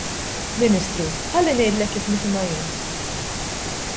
Ministru, ħalli ngħidlek kif nifhimha jien.